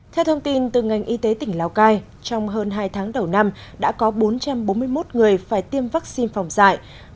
theo thông tin từ ngành y tế tỉnh lào cai trong hơn hai tháng đầu năm đã có bốn trăm bốn mươi một người phải tiêm vaccine phòng dạy